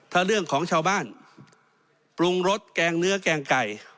ถ้าเรื่องของชาวบ้านปรุงรสแกงเนื้อแกงไก่